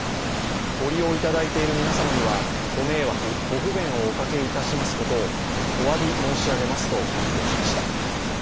ご利用いただいている皆様にはご迷惑、ご不便をおかけいたしますことをおわび申し上げますと発表しました。